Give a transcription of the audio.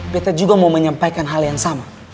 kita juga mau menyampaikan hal yang sama